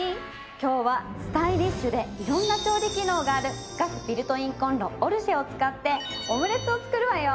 今日はスタイリッシュで色んな調理機能があるガスビルトインコンロＯｒｃｈｅを使ってオムレツを作るわよ！